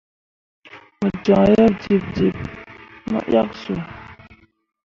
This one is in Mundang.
Mo joŋ yeb jiɓjiɓ mo yak su.